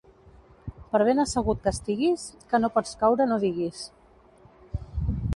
Per ben assegut que estiguis, que no pots caure no diguis.